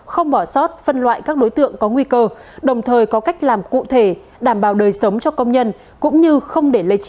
không bỏ sót phân loại các đối tượng có nguy cơ đồng thời có cách làm cụ thể đảm bảo đời sống cho công nhân cũng như không để lây trí